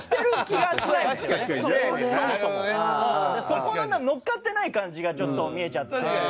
そこののっかってない感じがちょっと見えちゃって。